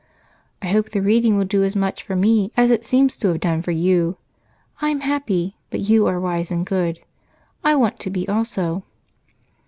"I hope the reading will do as much for me as it seems to have done for you. I'm happy, but you are wise and good I want to be also."